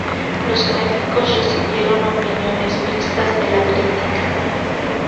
Los gráficos recibieron opiniones mixtas de la crítica.